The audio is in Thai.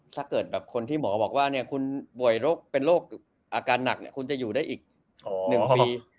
ถ้าเกิดแบบคนที่หมอบอกว่าคุณป่วยเป็นโรคอาการหนักคุณจะอยู่ได้อีก๑ปี